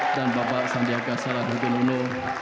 dan bapak sandiaka saladudin uno